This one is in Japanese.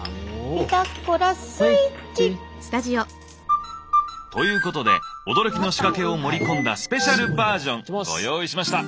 ピタゴラスイッチということで驚きの仕掛けを盛り込んだスペシャルバージョンご用意しました！